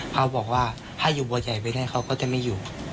เขาบอกว่าถ้าอยู่บัวใหญ่ไปได้เขาก็จะไม่อยู่